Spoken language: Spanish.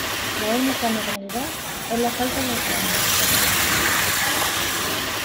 La única anormalidad es la falta de la menstruación.